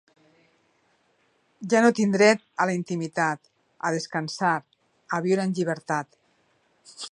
Ja no tinc dret a la intimitat, a descansar, a viure en llibertat.